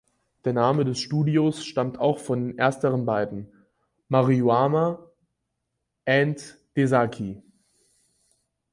Der Name des Studios stammt auch von ersteren beiden: "M"aruyama "A"nd "D"ezaki.